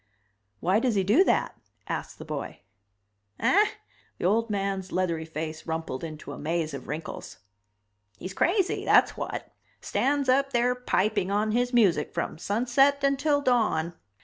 "Why does he do that?" asked the boy. "Ah?" The old man's leathery face rumpled into a maze of wrinkles. "He's crazy, that's what. Stands up there piping on his music from sunset until dawn."